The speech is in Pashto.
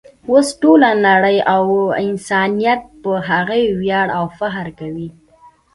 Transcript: اوس ټوله نړۍ او انسانیت پر هغه ویاړي او فخر کوي.